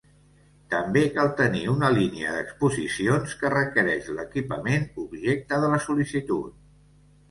També cal tenir una línia d'exposicions que requereix l'equipament objecte de la sol·licitud.